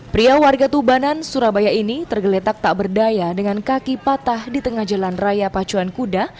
pria warga tubanan surabaya ini tergeletak tak berdaya dengan kaki patah di tengah jalan raya pacuan kuda